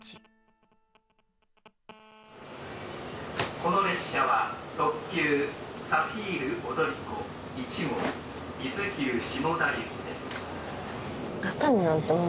「この列車は特急サフィール踊り子１号伊豆急下田行きです」。